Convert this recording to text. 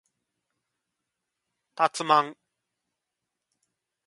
たつまん